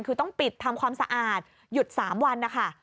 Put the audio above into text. คือต้องปิดทำความสะอาดหยุด๓วันนะคะ